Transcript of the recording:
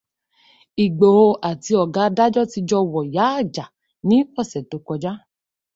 Ìgbòho àti ọ̀gá adájọ́ ti jọ wọ̀yáàjà ni ọ̀sẹ̀ tó kọjá